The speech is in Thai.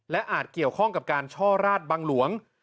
และอาจเกี่ยวข้องกับการช่อราชบังหลวง